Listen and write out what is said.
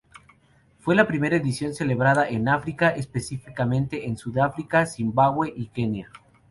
Fue la primera edición celebrada en África, específicamente en Sudáfrica, Zimbabue y Kenia.